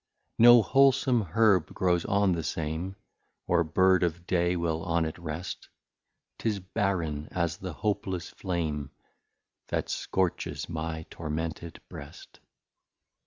No wholesome Herb grows on the same, Or Bird of Day will on it rest; 'Tis Barren as the Hopeless Flame, That scortches my tormented Breast.